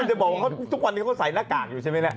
จะบอกว่าทุกวันนี้เขาใส่หน้ากากอยู่ใช่ไหมล่ะ